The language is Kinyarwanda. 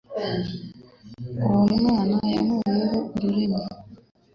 Uwo mwana yankuyeho ururimi.